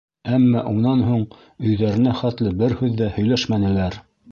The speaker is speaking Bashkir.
Ә унан һуң өйҙәренә хәтле бер һүҙ ҙә һөйләшмәнеләр.